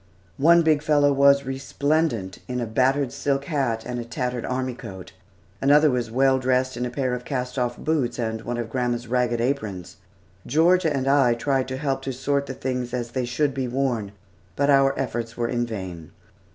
One big fellow was resplendent in a battered silk hat and a tattered army coat; another was well dressed in a pair of cast off boots and one of grandma's ragged aprons. Georgia and I tried to help to sort the things as they should be worn, but our efforts were in vain.